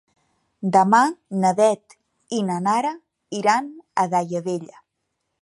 Demà na Beth i na Nara iran a Daia Vella.